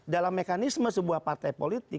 dalam mekanisme sebuah partai politik